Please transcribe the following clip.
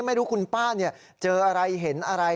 ไม่รู้คุณป้าเจออะไรเห็นอะไร